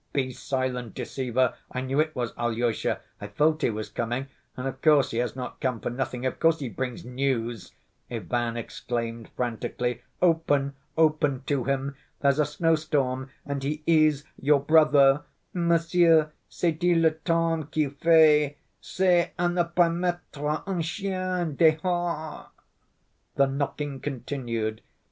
"Be silent, deceiver, I knew it was Alyosha, I felt he was coming, and of course he has not come for nothing; of course he brings 'news,' " Ivan exclaimed frantically. "Open, open to him. There's a snowstorm and he is your brother. Monsieur sait‐il le temps qu'il fait? C'est à ne pas mettre un chien dehors." The knocking continued.